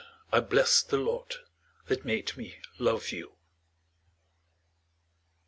I bless the lot that made me love you.